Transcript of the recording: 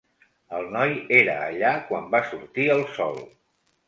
El noi era allà quan va sortir el sol.